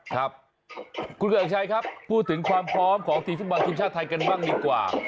ครับคุณเกริกชัยครับพูดถึงความพร้อมของทีมฟุตบอลทีมชาติไทยกันบ้างดีกว่า